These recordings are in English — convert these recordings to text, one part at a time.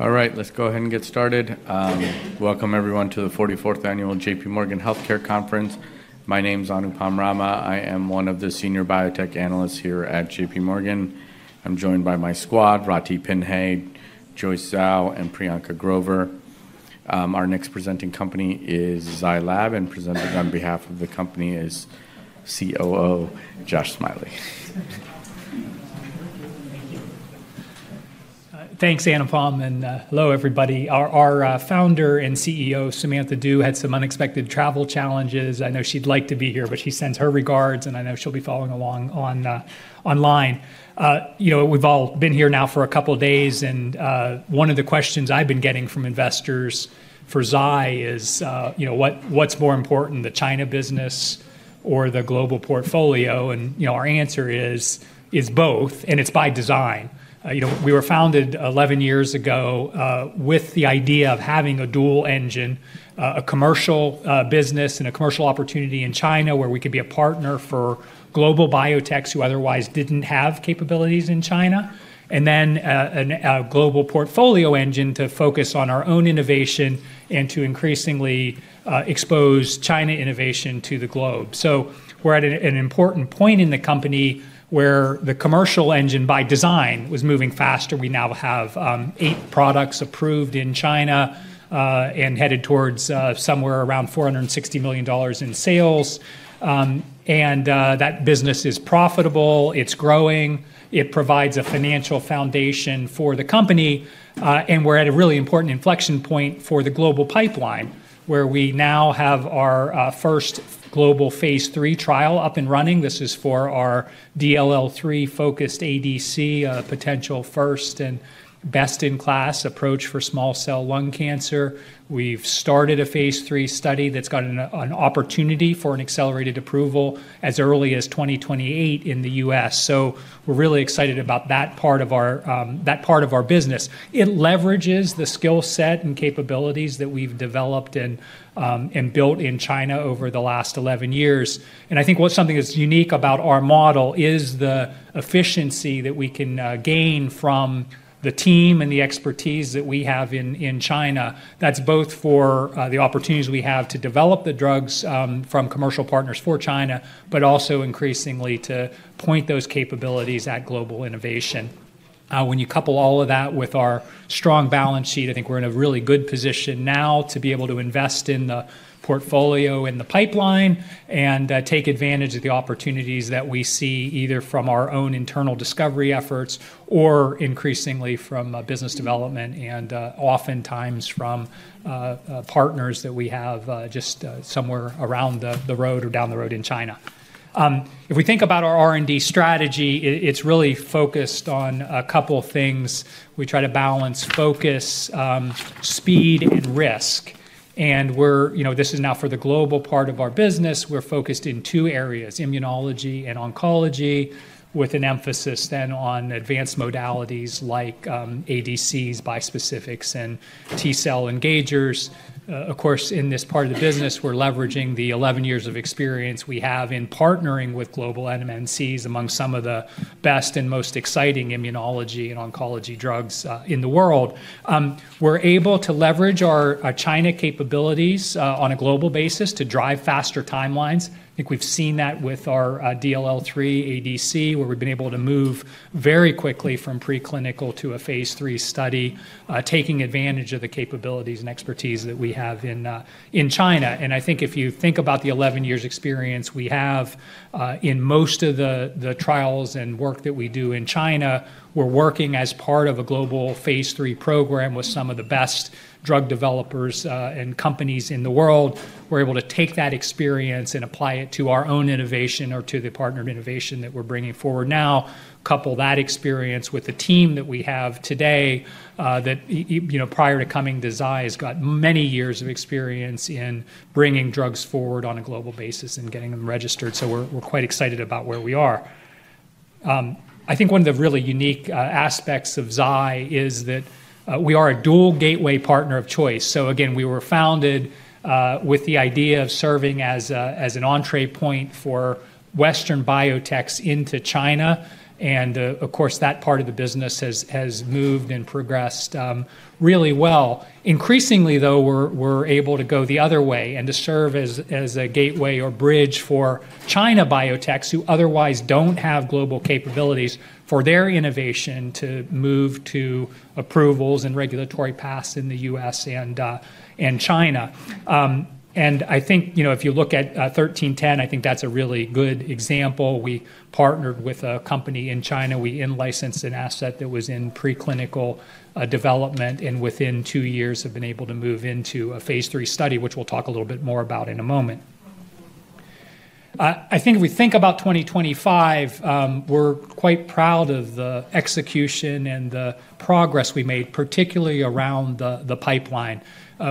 All right, let's go ahead and get started. Welcome, everyone, to the 44th Annual JPMorgan Healthcare Conference. My name's Anupam Rama. I am one of the Senior Biotech Analysts here at JPMorgan. I'm joined by my squad: Rafi Pinheiro, Joyce Zhao, and Priyanka Grover. Our next presenting company is Zai Lab, and presenting on behalf of the company is COO Josh Smiley. Thanks, Anupam, and hello, everybody. Our founder and CEO, Samantha Du, had some unexpected travel challenges. I know she'd like to be here, but she sends her regards, and I know she'll be following along online. We've all been here now for a couple of days, and one of the questions I've been getting from investors for Zai is, what's more important, the China business or the global portfolio? And our answer is both, and it's by design. We were founded 11 years ago with the idea of having a dual engine: a commercial business and a commercial opportunity in China where we could be a partner for global biotechs who otherwise didn't have capabilities in China, and then a global portfolio engine to focus on our own innovation and to increasingly expose China innovation to the globe. We're at an important point in the company where the commercial engine, by design, was moving faster. We now have eight products approved in China and headed towards somewhere around $460 million in sales. And that business is profitable, it's growing, it provides a financial foundation for the company, and we're at a really important inflection point for the global pipeline, where we now have our first global phase III trial up and running. This is for our DLL3-focused ADC, a potential first and best-in-class approach for small cell lung cancer. We've started a phase III study that's gotten an opportunity for an accelerated approval as early as 2028 in the U.S. We're really excited about that part of our business. It leverages the skill set and capabilities that we've developed and built in China over the last 11 years. And I think what's something that's unique about our model is the efficiency that we can gain from the team and the expertise that we have in China. That's both for the opportunities we have to develop the drugs from commercial partners for China, but also increasingly to point those capabilities at global innovation. When you couple all of that with our strong balance sheet, I think we're in a really good position now to be able to invest in the portfolio and the pipeline and take advantage of the opportunities that we see either from our own internal discovery efforts or increasingly from business development and oftentimes from partners that we have just somewhere around the road or down the road in China. If we think about our R&D strategy, it's really focused on a couple of things. We try to balance focus, speed, and risk. And this is now for the global part of our business. We're focused in two areas: immunology and oncology, with an emphasis then on advanced modalities like ADCs, bispecifics, and T-cell engagers. Of course, in this part of the business, we're leveraging the 11 years of experience we have in partnering with global MNCs among some of the best and most exciting immunology and oncology drugs in the world. We're able to leverage our China capabilities on a global basis to drive faster timelines. I think we've seen that with our DLL3 ADC, where we've been able to move very quickly from preclinical to a phase III study, taking advantage of the capabilities and expertise that we have in China. And I think if you think about the 11 years' experience we have in most of the trials and work that we do in China, we're working as part of a global phase III program with some of the best drug developers and companies in the world. We're able to take that experience and apply it to our own innovation or to the partnered innovation that we're bringing forward now. Couple that experience with the team that we have today that, prior to coming to Zai, has got many years of experience in bringing drugs forward on a global basis and getting them registered. So we're quite excited about where we are. I think one of the really unique aspects of Zai is that we are a dual gateway partner of choice. Again, we were founded with the idea of serving as an entry point for Western biotechs into China. Of course, that part of the business has moved and progressed really well. Increasingly, though, we're able to go the other way and to serve as a gateway or bridge for China biotechs who otherwise don't have global capabilities for their innovation to move to approvals and regulatory paths in the U.S. and China. I think if you look at 1310, I think that's a really good example. We partnered with a company in China. We in-licensed an asset that was in preclinical development, and within two years have been able to move into a phase III study, which we'll talk a little bit more about in a moment. I think if we think about 2025, we're quite proud of the execution and the progress we made, particularly around the pipeline.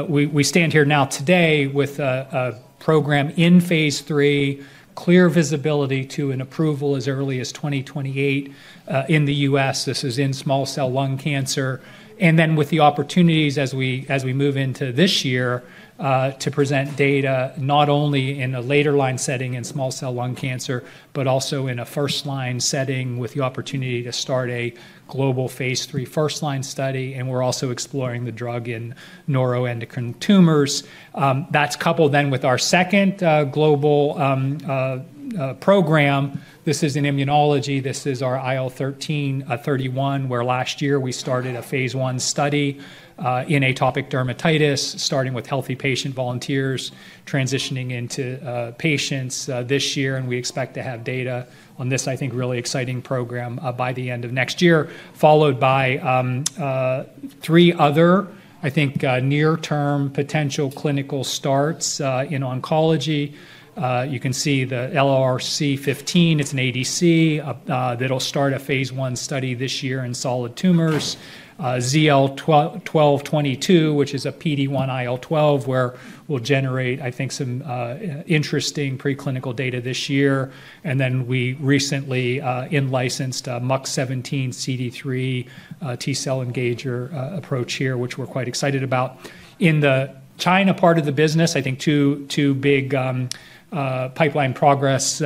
We stand here now today with a program in phase III, clear visibility to an approval as early as 2028 in the U.S. This is in small cell lung cancer, and then with the opportunities as we move into this year to present data not only in a later-line setting in small cell lung cancer, but also in a first-line setting with the opportunity to start a global phase III first-line study, and we're also exploring the drug in neuroendocrine tumors. That's coupled then with our second global program. This is in immunology. This is our IL-13/31, where last year we started a phase I study in atopic dermatitis, starting with healthy patient volunteers, transitioning into patients this year. We expect to have data on this, I think, really exciting program by the end of next year, followed by three other, I think, near-term potential clinical starts in oncology. You can see the LRRC15. It's an ADC that'll start a phase I study this year in solid tumors. ZL-1222, which is a PD-1/IL-12, where we'll generate, I think, some interesting preclinical data this year. And then we recently in-licensed MUC17 x CD3 T-cell engager approach here, which we're quite excited about. In the China part of the business, I think two big pipeline progress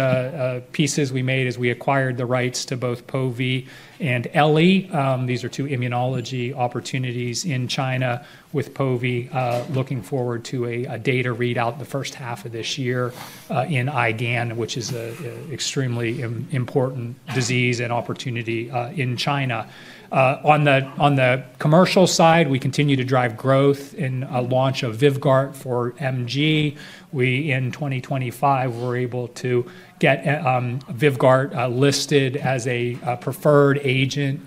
pieces we made as we acquired the rights to both Pove and TED. These are two immunology opportunities in China with Pove looking forward to a data readout the first half of this year in IgAN, which is an extremely important disease and opportunity in China. On the commercial side, we continue to drive growth in the launch of VYVGART for gMG. In 2025, we were able to get VYVGART listed as a preferred agent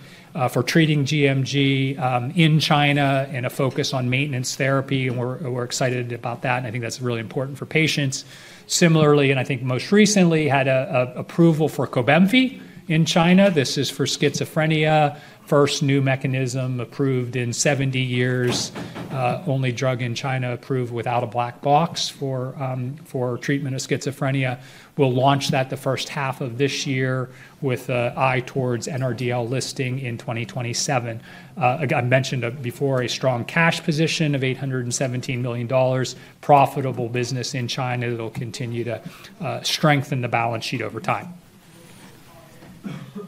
for treating gMG in China and a focus on maintenance therapy. We are excited about that, and I think that's really important for patients. Similarly, and I think most recently, we had an approval for COBENFY in China. This is for schizophrenia, first new mechanism approved in 70 years, only drug in China approved without a black box for treatment of schizophrenia. We will launch that the first half of this year with an eye towards NRDL listing in 2027. I mentioned before, a strong cash position of $817 million, profitable business in China that will continue to strengthen the balance sheet over time.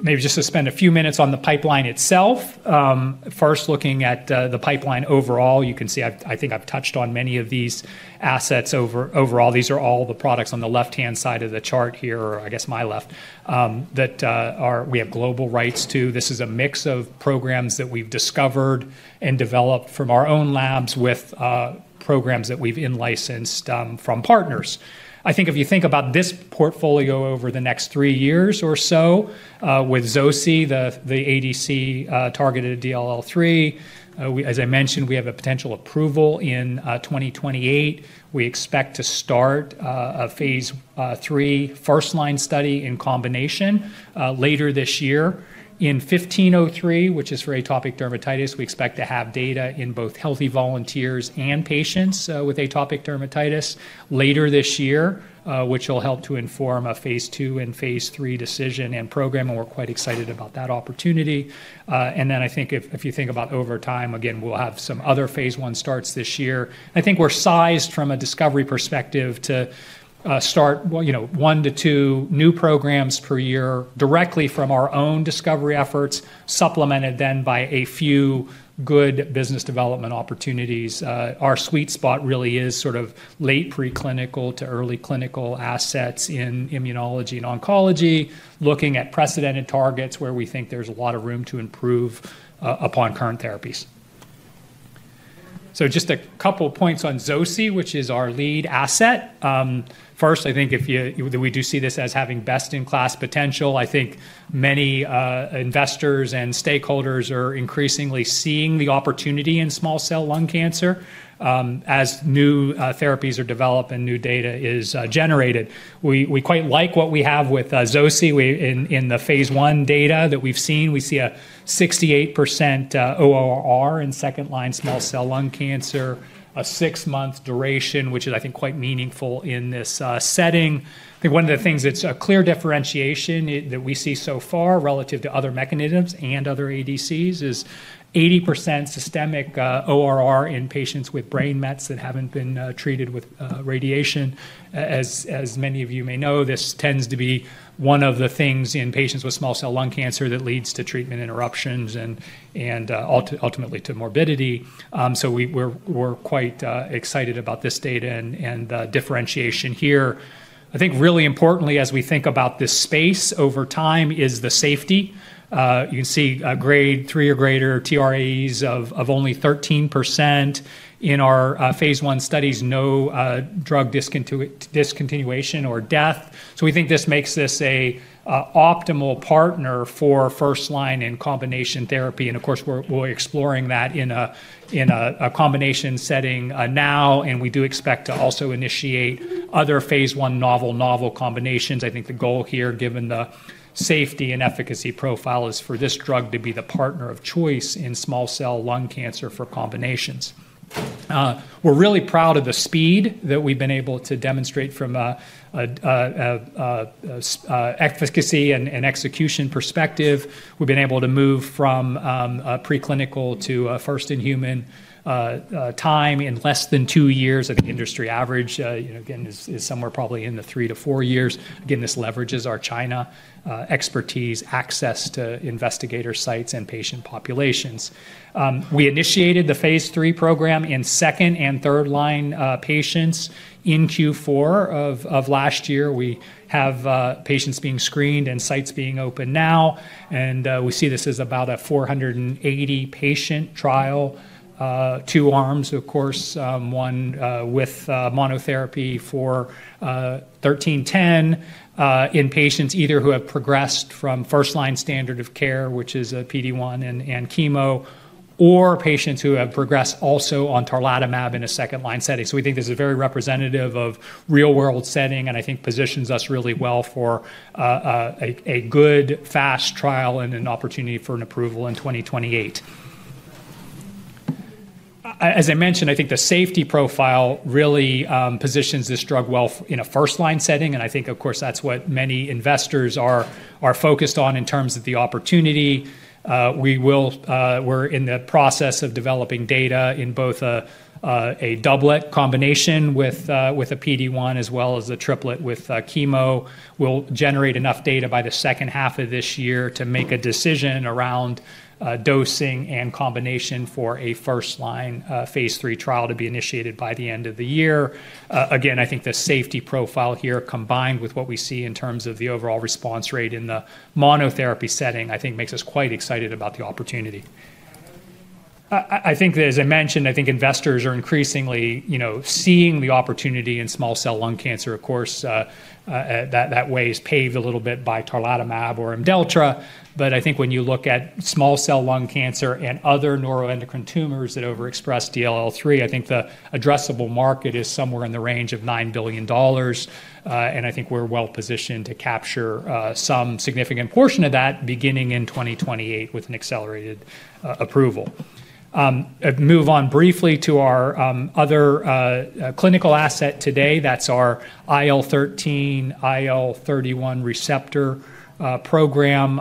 Maybe just to spend a few minutes on the pipeline itself, first looking at the pipeline overall. You can see I think I've touched on many of these assets overall. These are all the products on the left-hand side of the chart here, or I guess my left, that we have global rights to. This is a mix of programs that we've discovered and developed from our own labs with programs that we've in-licensed from partners. I think if you think about this portfolio over the next three years or so, with Zoci, the ADC targeted DLL3, as I mentioned, we have a potential approval in 2028. We expect to start a phase III first-line study in combination later this year. In 1503, which is for atopic dermatitis, we expect to have data in both healthy volunteers and patients with atopic dermatitis later this year, which will help to inform a phase II and phase III decision and program. And we're quite excited about that opportunity. And then I think if you think about over time, again, we'll have some other phase I starts this year. I think we're sized, from a discovery perspective, to start one to two new programs per year directly from our own discovery efforts, supplemented then by a few good business development opportunities. Our sweet spot really is sort of late preclinical to early clinical assets in immunology and oncology, looking at precedented targets where we think there's a lot of room to improve upon current therapies. So just a couple of points on Zoci, which is our lead asset. First, I think we do see this as having best-in-class potential. I think many investors and stakeholders are increasingly seeing the opportunity in small cell lung cancer as new therapies are developed and new data is generated. We quite like what we have with Zoci in the phase I data that we've seen. We see a 68% ORR in second-line small cell lung cancer, a six-month duration, which is, I think, quite meaningful in this setting. I think one of the things that's a clear differentiation that we see so far relative to other mechanisms and other ADCs is 80% systemic ORR in patients with brain mets that haven't been treated with radiation. As many of you may know, this tends to be one of the things in patients with small cell lung cancer that leads to treatment interruptions and ultimately to morbidity. So we're quite excited about this data and differentiation here. I think really importantly, as we think about this space over time, is the safety. You can see grade three or greater TRAEs of only 13% in our phase I studies, no drug discontinuation or death. So we think this makes this an optimal partner for first-line and combination therapy. And of course, we're exploring that in a combination setting now. And we do expect to also initiate other phase I novel combinations. I think the goal here, given the safety and efficacy profile, is for this drug to be the partner of choice in small cell lung cancer for combinations. We're really proud of the speed that we've been able to demonstrate from efficacy and execution perspective. We've been able to move from preclinical to first-in-human time in less than two years. I think industry average, again, is somewhere probably in the three to four years. Again, this leverages our China expertise, access to investigator sites and patient populations. We initiated the phase III program in second and third-line patients in Q4 of last year. We have patients being screened and sites being opened now. We see this is about a 480-patient trial, two arms, of course, one with monotherapy for 1310 in patients either who have progressed from first-line standard of care, which is PD-1 and chemo, or patients who have progressed also on tarlatamab in a second-line setting. So we think this is very representative of real-world setting, and I think positions us really well for a good, fast trial and an opportunity for an approval in 2028. As I mentioned, I think the safety profile really positions this drug well in a first-line setting. And I think, of course, that's what many investors are focused on in terms of the opportunity. We're in the process of developing data in both a doublet combination with a PD-1 as well as a triplet with chemo. We'll generate enough data by the second half of this year to make a decision around dosing and combination for a first-line phase III trial to be initiated by the end of the year. Again, I think the safety profile here, combined with what we see in terms of the overall response rate in the monotherapy setting, I think makes us quite excited about the opportunity. I think, as I mentioned, I think investors are increasingly seeing the opportunity in small cell lung cancer. Of course, that way is paved a little bit by tarlatamab or Imdelltra. But I think when you look at small cell lung cancer and other neuroendocrine tumors that overexpress DLL3, I think the addressable market is somewhere in the range of $9 billion. And I think we're well positioned to capture some significant portion of that beginning in 2028 with an accelerated approval. I move on briefly to our other clinical asset today. That's our IL-13, IL-31 receptor program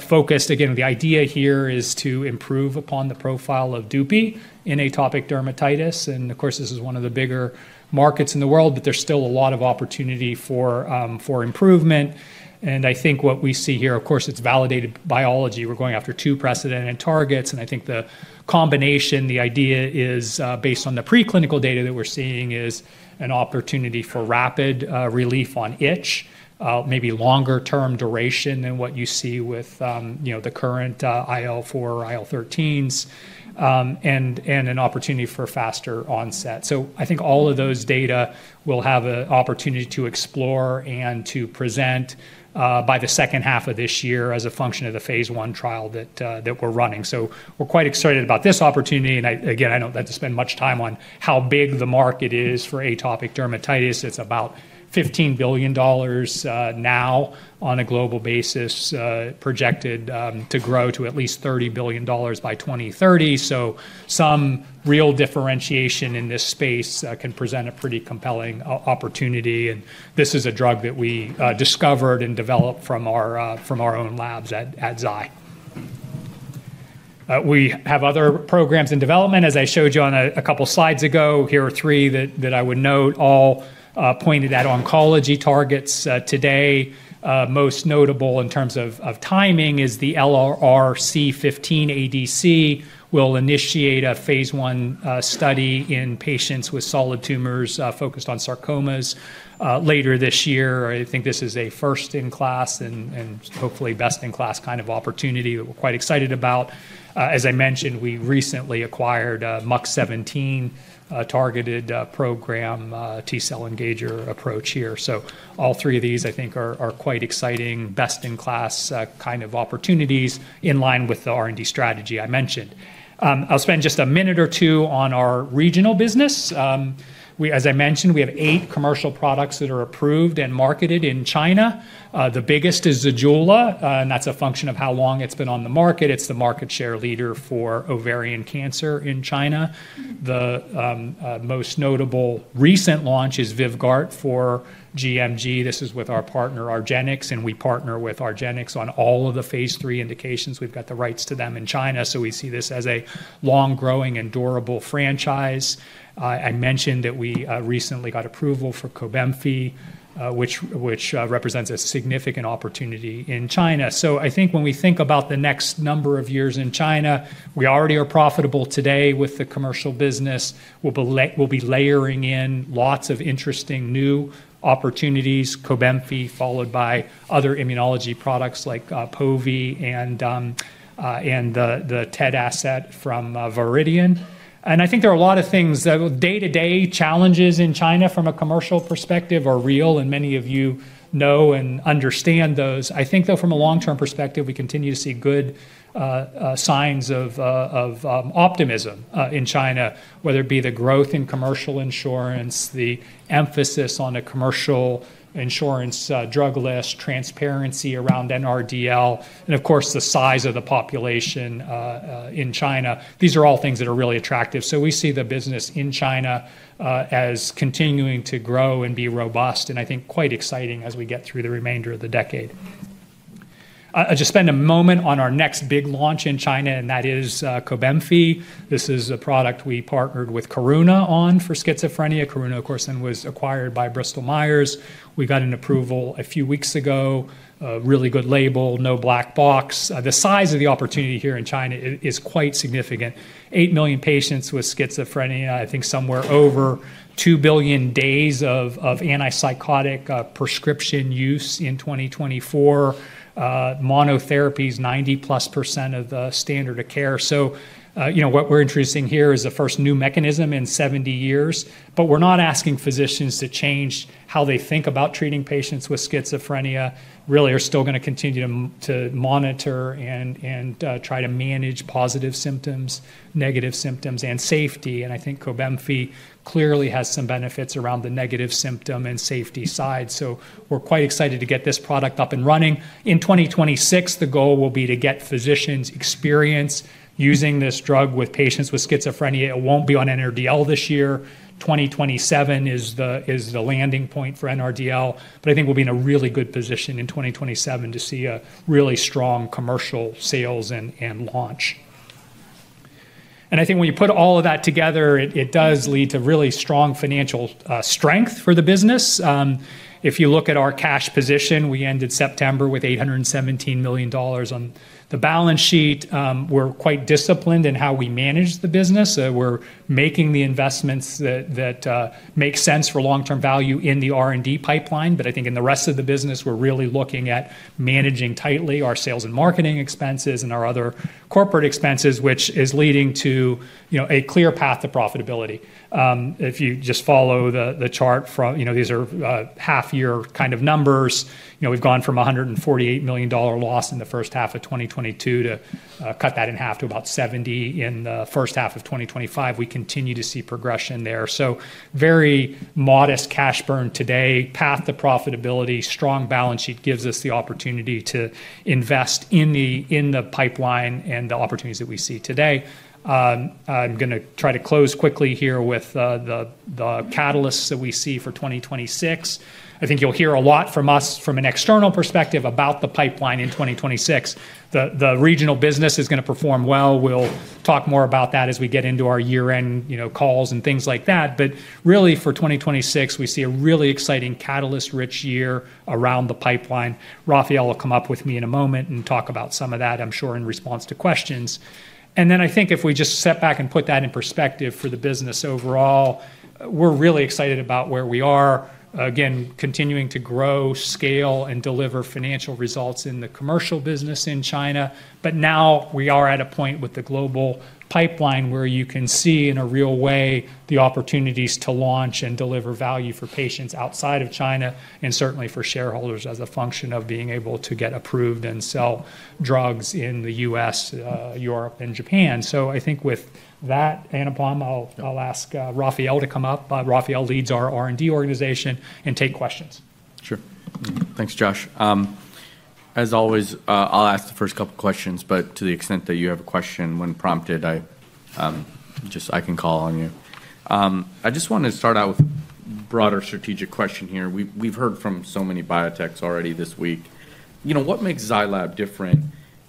focused. Again, the idea here is to improve upon the profile of Dupi in atopic dermatitis. And of course, this is one of the bigger markets in the world, but there's still a lot of opportunity for improvement. And I think what we see here, of course, it's validated biology. We're going after two precedented targets. I think the combination, the idea is based on the preclinical data that we're seeing, is an opportunity for rapid relief on itch, maybe longer-term duration than what you see with the current IL-4, IL-13s, and an opportunity for faster onset. So I think all of those data will have an opportunity to explore and to present by the second half of this year as a function of the phase I trial that we're running. So we're quite excited about this opportunity. Again, I don't have to spend much time on how big the market is for atopic dermatitis. It's about $15 billion now on a global basis, projected to grow to at least $30 billion by 2030. So some real differentiation in this space can present a pretty compelling opportunity. This is a drug that we discovered and developed from our own labs at Zai. We have other programs in development, as I showed you on a couple of slides ago. Here are three that I would note. All pointed at oncology targets today. Most notable in terms of timing is the LRRC15 ADC. We'll initiate a phase I study in patients with solid tumors focused on sarcomas later this year. I think this is a first-in-class and hopefully best-in-class kind of opportunity that we're quite excited about. As I mentioned, we recently acquired MUC17 targeted program T-cell engager approach here. So all three of these, I think, are quite exciting, best-in-class kind of opportunities in line with the R&D strategy I mentioned. I'll spend just a minute or two on our regional business. As I mentioned, we have eight commercial products that are approved and marketed in China. The biggest is ZEJULA, and that's a function of how long it's been on the market. It's the market share leader for ovarian cancer in China. The most notable recent launch is VYVGART for GMG. This is with our partner, Argenyx, and we partner with Argenyx on all of the phase III indications. We've got the rights to them in China. So we see this as a long-growing and durable franchise. I mentioned that we recently got approval for COBENFY, which represents a significant opportunity in China. So I think when we think about the next number of years in China, we already are profitable today with the commercial business. We'll be layering in lots of interesting new opportunities, COBENFY, followed by other immunology products like Pove and the TED asset from Viridian. And I think there are a lot of things that day-to-day challenges in China from a commercial perspective are real, and many of you know and understand those. I think, though, from a long-term perspective, we continue to see good signs of optimism in China, whether it be the growth in commercial insurance, the emphasis on a commercial insurance drug list, transparency around NRDL, and of course, the size of the population in China. These are all things that are really attractive. So we see the business in China as continuing to grow and be robust, and I think quite exciting as we get through the remainder of the decade. I'll just spend a moment on our next big launch in China, and that is COBENFY. This is a product we partnered with Karuna on for schizophrenia. Karuna, of course, then was acquired by Bristol Myers. We got an approval a few weeks ago, really good label, no black box. The size of the opportunity here in China is quite significant. Eight million patients with schizophrenia, I think somewhere over two billion days of antipsychotic prescription use in 2024. Monotherapies, 90-plus% of the standard of care. So what we're introducing here is the first new mechanism in 70 years. But we're not asking physicians to change how they think about treating patients with schizophrenia. Really, we're still going to continue to monitor and try to manage positive symptoms, negative symptoms, and safety. And I think COBENFY clearly has some benefits around the negative symptom and safety side. So we're quite excited to get this product up and running. In 2026, the goal will be to get physicians' experience using this drug with patients with schizophrenia. It won't be on NRDL this year. 2027 is the landing point for NRDL. But I think we'll be in a really good position in 2027 to see a really strong commercial sales and launch. And I think when you put all of that together, it does lead to really strong financial strength for the business. If you look at our cash position, we ended September with $817 million on the balance sheet. We're quite disciplined in how we manage the business. We're making the investments that make sense for long-term value in the R&D pipeline. But I think in the rest of the business, we're really looking at managing tightly our sales and marketing expenses and our other corporate expenses, which is leading to a clear path of profitability. If you just follow the chart, these are half-year kind of numbers. We've gone from a $148 million loss in the first half of 2022 to cut that in half to about 70 in the first half of 2025. We continue to see progression there. So very modest cash burn today, path to profitability, strong balance sheet gives us the opportunity to invest in the pipeline and the opportunities that we see today. I'm going to try to close quickly here with the catalysts that we see for 2026. I think you'll hear a lot from us from an external perspective about the pipeline in 2026. The regional business is going to perform well. We'll talk more about that as we get into our year-end calls and things like that. But really, for 2026, we see a really exciting catalyst-rich year around the pipeline. Rafael will come up with me in a moment and talk about some of that, I'm sure, in response to questions. And then I think if we just step back and put that in perspective for the business overall, we're really excited about where we are. Again, continuing to grow, scale, and deliver financial results in the commercial business in China. But now we are at a point with the global pipeline where you can see in a real way the opportunities to launch and deliver value for patients outside of China and certainly for shareholders as a function of being able to get approved and sell drugs in the U.S., Europe, and Japan. So I think with that, Anupam, I'll ask Rafael to come up. Rafael leads our R&D organization and take questions. Sure. Thanks, Josh. As always, I'll ask the first couple of questions. But to the extent that you have a question when prompted, I can call on you. I just want to start out with a broader strategic question here. We've heard from so many biotechs already this week. What makes Zai Lab different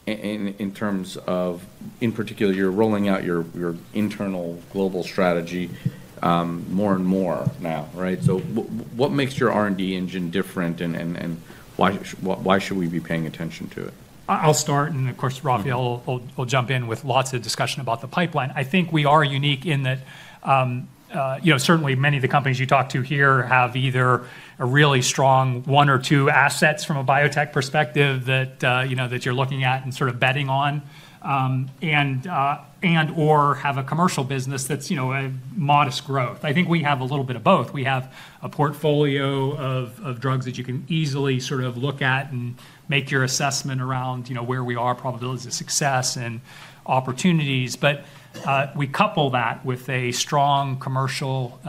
in terms of, in particular, you're rolling out your internal global strategy more and more now, right? So what makes your R&D engine different and why should we be paying attention to it? I'll start, and of course, Rafael will jump in with lots of discussion about the pipeline. I think we are unique in that certainly many of the companies you talk to here have either a really strong one or two assets from a biotech perspective that you're looking at and sort of betting on and/or have a commercial business that's modest growth. I think we have a little bit of both. We have a portfolio of drugs that you can easily sort of look at and make your assessment around where we are, probabilities of success, and opportunities, but we couple that with a strong commercial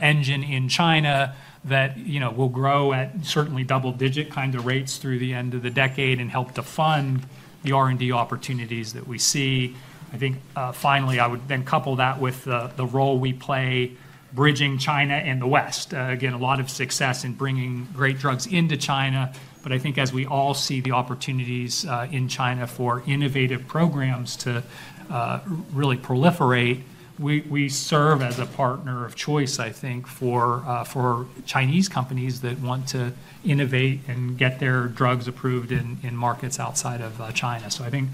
engine in China that will grow at certainly double-digit kind of rates through the end of the decade and help to fund the R&D opportunities that we see. I think finally, I would then couple that with the role we play bridging China and the West. Again, a lot of success in bringing great drugs into China. But I think as we all see the opportunities in China for innovative programs to really proliferate, we serve as a partner of choice, I think, for Chinese companies that want to innovate and get their drugs approved in markets outside of China. So I think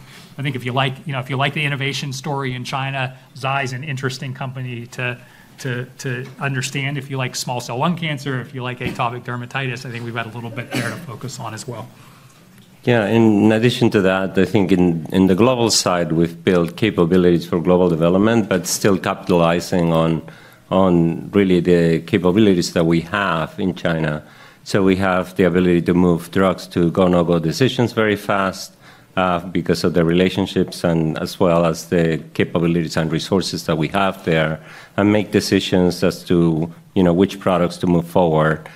if you like the innovation story in China, Zai is an interesting company to understand. If you like small cell lung cancer, if you like atopic dermatitis, I think we've got a little bit there to focus on as well. Yeah. In addition to that, I think in the global side, we've built capabilities for global development, but still capitalizing on really the capabilities that we have in China, so we have the ability to move drugs to go and not go decisions very fast because of the relationships and as well as the capabilities and resources that we have there and make decisions as to which products to move forward,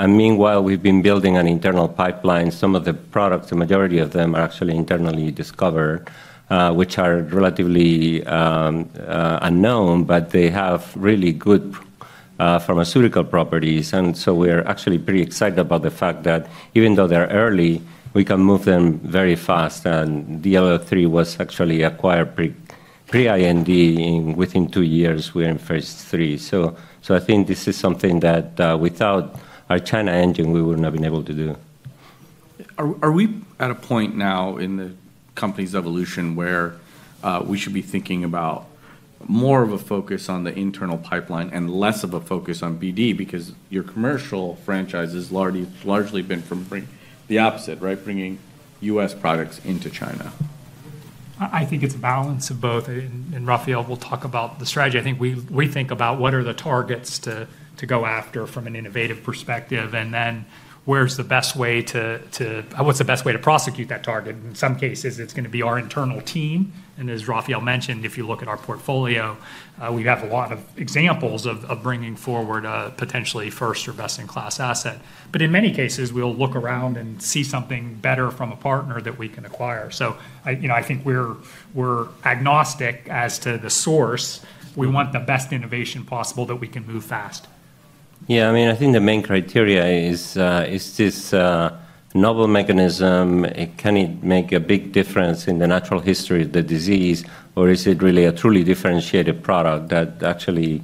and meanwhile, we've been building an internal pipeline. Some of the products, the majority of them, are actually internally discovered, which are relatively unknown, but they have really good pharmaceutical properties, and so we're actually pretty excited about the fact that even though they're early, we can move them very fast, and the DLL3 was actually acquired pre-IND within two years. We're in phase III. So I think this is something that without our China engine, we wouldn't have been able to do. Are we at a point now in the company's evolution where we should be thinking about more of a focus on the internal pipeline and less of a focus on BD because your commercial franchise has largely been from the opposite, right, bringing U.S. products into China? I think it's a balance of both, and Rafael will talk about the strategy. I think we think about what are the targets to go after from an innovative perspective, and then where's the best way to what's the best way to prosecute that target. In some cases, it's going to be our internal team, and as Rafael mentioned, if you look at our portfolio, we have a lot of examples of bringing forward a potentially first or best-in-class asset, but in many cases, we'll look around and see something better from a partner that we can acquire, so I think we're agnostic as to the source. We want the best innovation possible that we can move fast. Yeah. I mean, I think the main criteria is this novel mechanism. Can it make a big difference in the natural history of the disease, or is it really a truly differentiated product that actually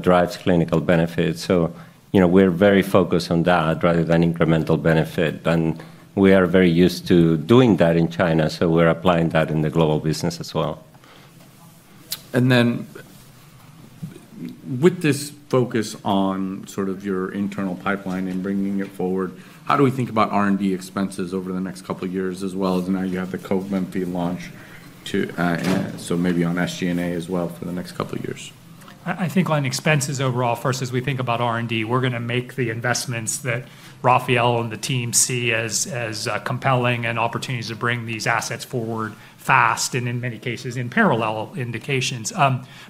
drives clinical benefits? So we're very focused on that rather than incremental benefit. And we are very used to doing that in China. So we're applying that in the global business as well. Then with this focus on sort of your internal pipeline and bringing it forward, how do we think about R&D expenses over the next couple of years as well as now you have the COBENFY launch? So maybe on SG&A as well for the next couple of years. I think on expenses overall, first, as we think about R&D, we're going to make the investments that Rafael and the team see as compelling and opportunities to bring these assets forward fast and in many cases in parallel indications.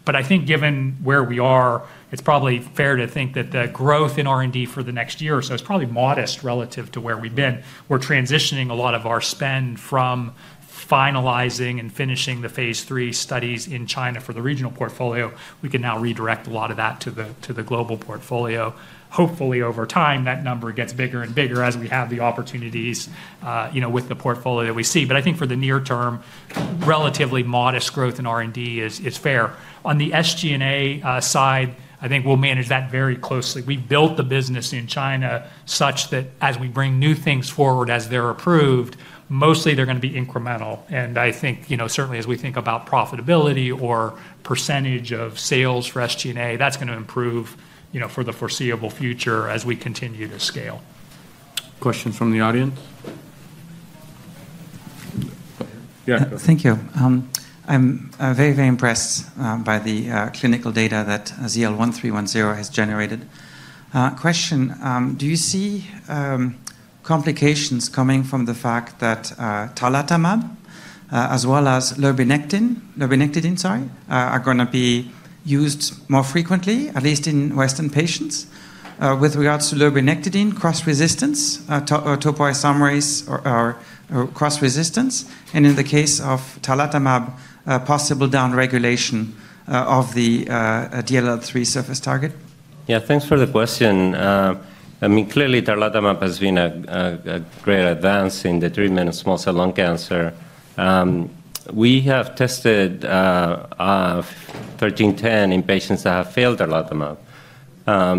But I think given where we are, it's probably fair to think that the growth in R&D for the next year or so is probably modest relative to where we've been. We're transitioning a lot of our spend from finalizing and finishing the phase III studies in China for the regional portfolio. We can now redirect a lot of that to the global portfolio. Hopefully, over time, that number gets bigger and bigger as we have the opportunities with the portfolio that we see. But I think for the near term, relatively modest growth in R&D is fair. On the SG&A side, I think we'll manage that very closely. We've built the business in China such that as we bring new things forward as they're approved, mostly they're going to be incremental, and I think certainly as we think about profitability or percentage of sales for SG&A, that's going to improve for the foreseeable future as we continue to scale. Question from the audience. Thank you. I'm very, very impressed by the clinical data that ZL-1310 has generated. Question, do you see complications coming from the fact that tarlatamab as well as lurbinectedin are going to be used more frequently, at least in Western patients with regards to lurbinectedin cross-resistance, topoisomerase cross-resistance, and in the case of tarlatamab, possible downregulation of the DLL3 surface target? Yeah. Thanks for the question. I mean, clearly, tarlatamab has been a great advance in the treatment of small cell lung cancer. We have tested 1310 in patients that have failed tarlatamab.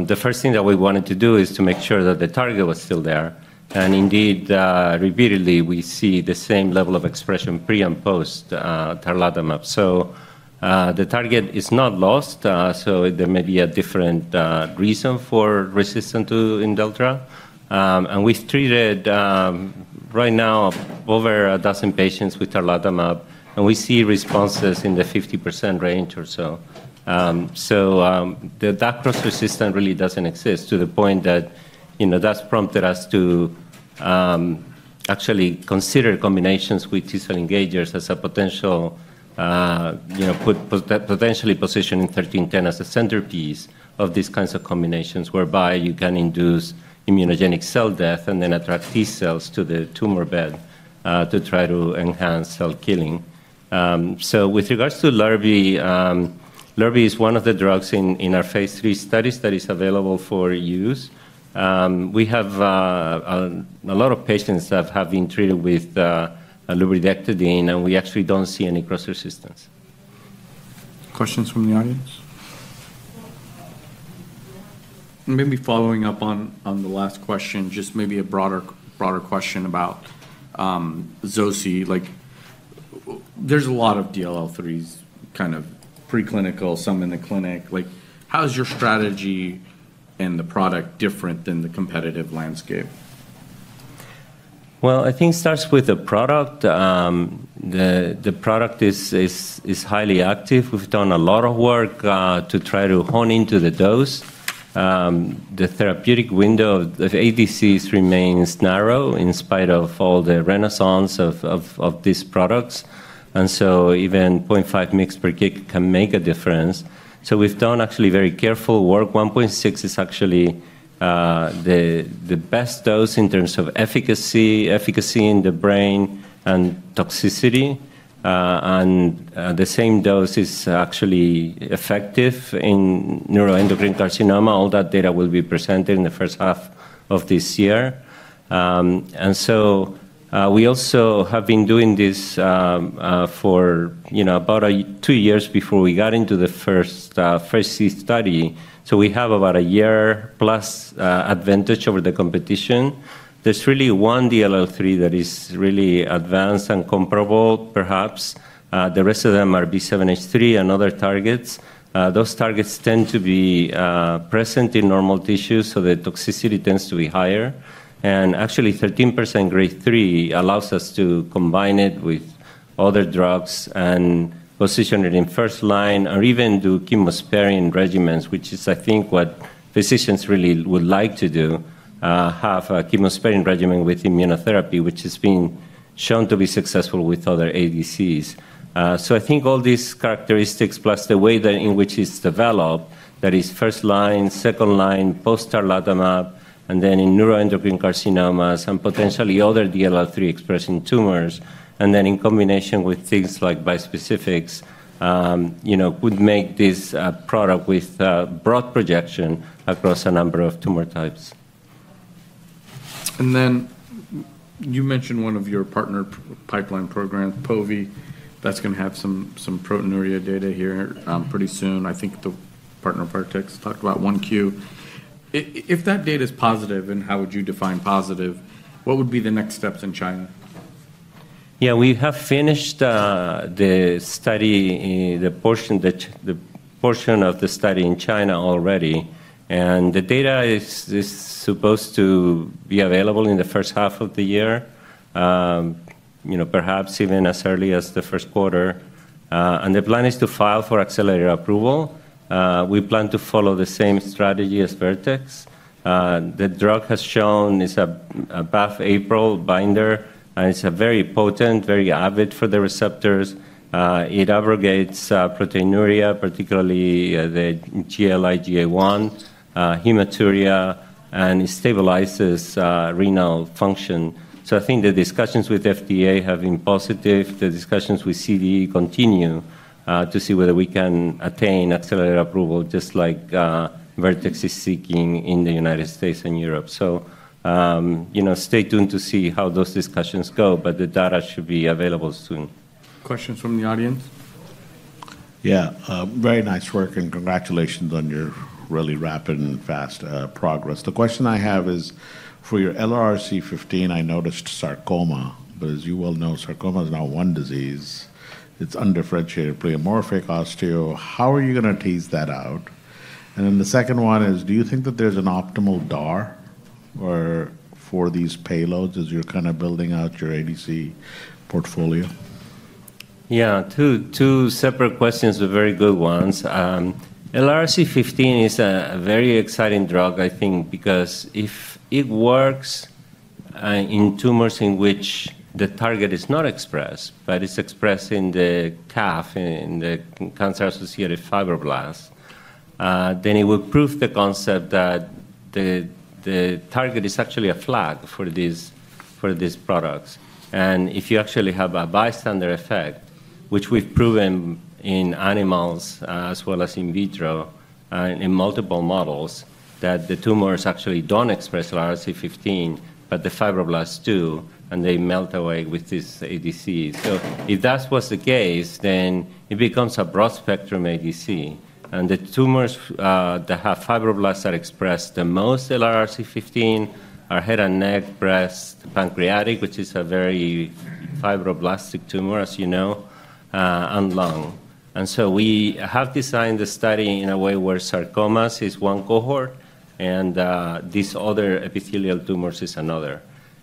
The first thing that we wanted to do is to make sure that the target was still there. And indeed, repeatedly, we see the same level of expression pre and post tarlatamab. So the target is not lost. So there may be a different reason for resistance to Imdeltra. And we've treated right now over a dozen patients with tarlatamab, and we see responses in the 50% range or so. So that cross-resistance really doesn't exist to the point that that's prompted us to actually consider combinations with T-cell engagers as a potentially positioning 1310 as a centerpiece of these kinds of combinations whereby you can induce immunogenic cell death and then attract T-cells to the tumor bed to try to enhance cell killing. So with regards to lurbinectedin, lurbinectedin is one of the drugs in our phase III studies that is available for use. We have a lot of patients that have been treated with lurbinectedin, and we actually don't see any cross-resistance. Questions from the audience? Maybe following up on the last question, just maybe a broader question about Zoci. There's a lot of DLL3s kind of preclinical, some in the clinic. How is your strategy and the product different than the competitive landscape? I think it starts with the product. The product is highly active. We've done a lot of work to try to hone into the dose. The therapeutic window of ADCs remains narrow in spite of all the renaissance of these products. Even 0.5 mg per kg can make a difference. We've done actually very careful work. 1.6 is actually the best dose in terms of efficacy in the brain and toxicity. The same dose is actually effective in neuroendocrine carcinoma. All that data will be presented in the first half of this year. We also have been doing this for about two years before we got into the first phase III study. We have about a year-plus advantage over the competition. There's really one DLL3 that is really advanced and comparable, perhaps. The rest of them are B7H3 and other targets. Those targets tend to be present in normal tissue, so the toxicity tends to be higher. And actually, 13% grade three allows us to combine it with other drugs and position it in first line or even do chemosparing regimens, which is, I think, what physicians really would like to do, have a chemosparing regimen with immunotherapy, which has been shown to be successful with other ADCs. So I think all these characteristics plus the way in which it's developed, that is first line, second line, post-tarlatamab, and then in neuroendocrine carcinomas and potentially other DLL3 expressing tumors, and then in combination with things like bispecifics, would make this a product with broad projection across a number of tumor types. And then you mentioned one of your partner pipeline programs, Pove, that's going to have some proteinuria data here pretty soon. I think the partner biotechs talked about 1Q. If that data is positive, and how would you define positive? What would be the next steps in China? Yeah. We have finished the portion of the study in China already. And the data is supposed to be available in the first half of the year, perhaps even as early as the first quarter. And the plan is to file for accelerated approval. We plan to follow the same strategy as Vertex. The drug is a BAFF/APRIL binder, and it's very potent, very avid for the receptors. It reduces proteinuria, particularly the IgA, Gd-IgA1, hematuria, and it stabilizes renal function. So I think the discussions with FDA have been positive. The discussions with CDE continue to see whether we can attain accelerated approval, just like Vertex is seeking in the United States and Europe. So stay tuned to see how those discussions go, but the data should be available soon. Questions from the audience? Yeah. Very nice work, and congratulations on your really rapid and fast progress. The question I have is for your LRC15. I noticed sarcoma. But as you well know, sarcoma is not one disease. It's undifferentiated pleomorphic osteosarcoma. How are you going to tease that out? And then the second one is, do you think that there's an optimal DAR for these payloads as you're kind of building out your ADC portfolio? Yeah. Two separate questions, but very good ones. LRC15 is a very exciting drug, I think, because if it works in tumors in which the target is not expressed, but it's expressed in the CAF, in the cancer-associated fibroblasts, then it would prove the concept that the target is actually a flag for these products. And if you actually have a bystander effect, which we've proven in animals as well as in vitro in multiple models, that the tumors actually don't express LRC15, but the fibroblasts do, and they melt away with this ADC. So if that was the case, then it becomes a broad-spectrum ADC. And the tumors that have fibroblasts that express the most LRC15 are head and neck, breast, pancreatic, which is a very fibroblastic tumor, as you know, and lung. We have designed the study in a way where sarcomas is one cohort, and these other epithelial tumors is another.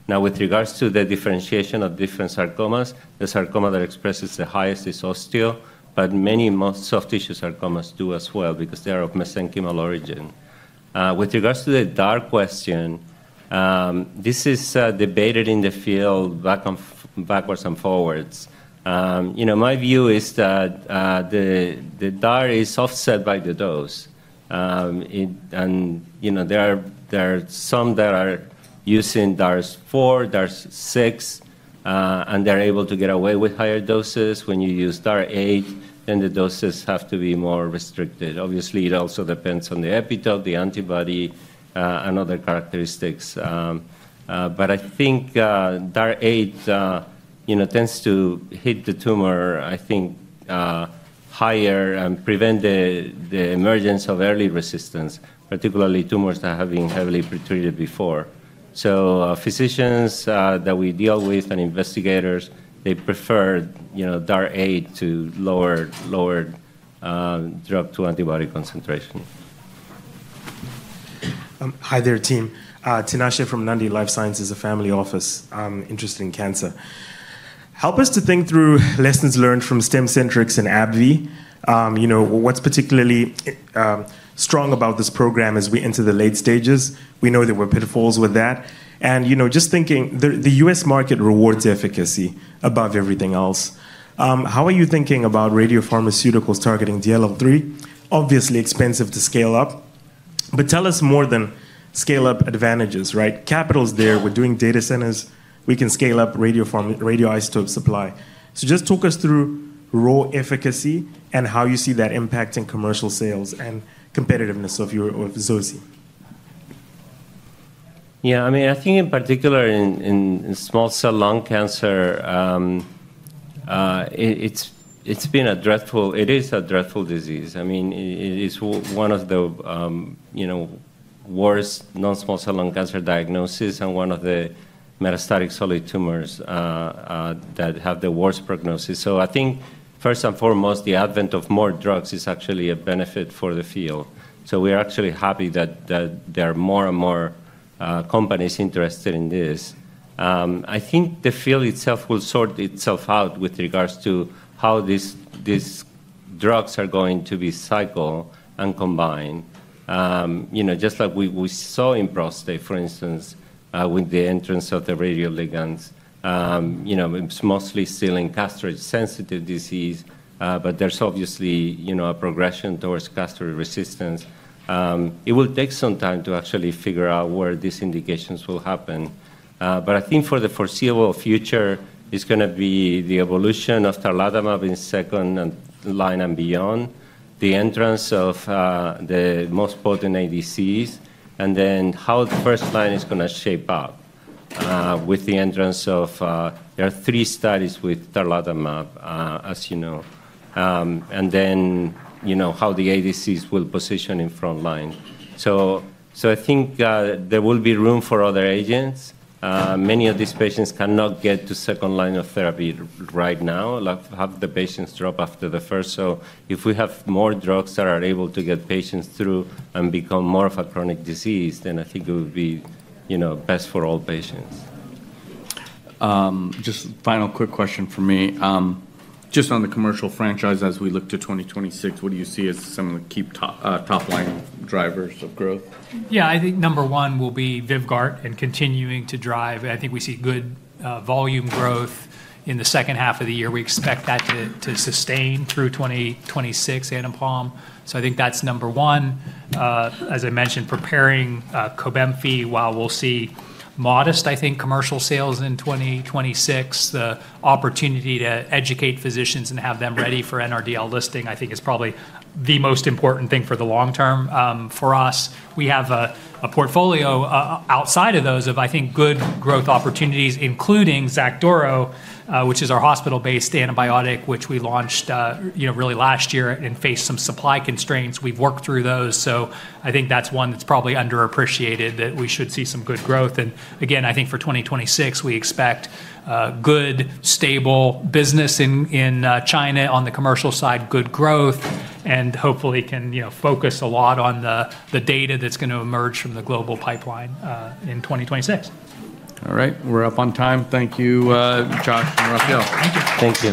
Now, with regards to the differentiation of different sarcomas, the sarcoma that expresses the highest is osteo, but many soft tissue sarcomas do as well because they are of mesenchymal origin. With regards to the DAR question, this is debated in the field backwards and forwards. My view is that the DAR is offset by the dose. There are some that are using DARs four, DARs six, and they're able to get away with higher doses. When you use DAR eight, then the doses have to be more restricted. Obviously, it also depends on the epitope, the antibody, and other characteristics. But I think DAR 8 tends to hit the tumor, I think, higher and prevent the emergence of early resistance, particularly tumors that have been heavily pretreated before. So physicians that we deal with and investigators, they prefer DAR 8 to lower drug-to-antibody concentration. Hi there, team. Tinasha from Nandi Life Sciences, a family office, interested in cancer. Help us to think through lessons learned from Stemcentrx and AbbVie. What's particularly strong about this program as we enter the late stages? We know there were pitfalls with that. And just thinking, the US market rewards efficacy above everything else. How are you thinking about radiopharmaceuticals targeting DLL3? Obviously, expensive to scale up. But tell us more than scale-up advantages, right? Capital's there. We're doing data centers. We can scale up radioisotope supply. So just talk us through raw efficacy and how you see that impacting commercial sales and competitiveness of Zoci. Yeah. I mean, I think in particular in small cell lung cancer, it's been a dreadful, it is a dreadful disease. I mean, it is one of the worst non-small cell lung cancer diagnoses and one of the metastatic solid tumors that have the worst prognosis. So I think, first and foremost, the advent of more drugs is actually a benefit for the field. So we are actually happy that there are more and more companies interested in this. I think the field itself will sort itself out with regards to how these drugs are going to be cycled and combined. Just like we saw in prostate, for instance, with the entrance of the radioligands, it's mostly still in castrate-sensitive disease, but there's obviously a progression towards castrate resistance. It will take some time to actually figure out where these indications will happen. But I think for the foreseeable future, it's going to be the evolution of tarlatamab in second line and beyond, the entrance of the most potent ADCs, and then how first line is going to shape up with the entrance of, there are three studies with tarlatamab, as you know, and then how the ADCs will position in front line. So I think there will be room for other agents. Many of these patients cannot get to second line of therapy right now. A lot of the patients drop after the first. So if we have more drugs that are able to get patients through and become more of a chronic disease, then I think it would be best for all patients. Just final quick question from me. Just on the commercial franchise, as we look to 2026, what do you see as some of the top-line drivers of growth? Yeah. I think number one will be VYVGART and continuing to drive. I think we see good volume growth in the second half of the year. We expect that to sustain through 2026 and beyond. So I think that's number one. As I mentioned, preparing COBENFY while we'll see modest, I think, commercial sales in 2026. The opportunity to educate physicians and have them ready for NRDL listing, I think, is probably the most important thing for the long term for us. We have a portfolio outside of those of, I think, good growth opportunities, including Xacduro, which is our hospital-based antibiotic, which we launched really last year and faced some supply constraints. We've worked through those. So I think that's one that's probably underappreciated, that we should see some good growth. Again, I think for 2026, we expect good, stable business in China on the commercial side, good growth, and hopefully can focus a lot on the data that's going to emerge from the global pipeline in 2026. All right. We're up on time. Thank you, Josh and Rafael. Thank you.